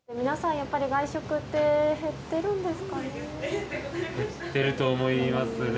やっぱり、外食って減ってるんですかね？